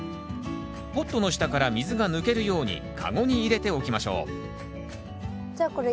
ポットの下から水が抜けるように籠に入れておきましょうじゃあ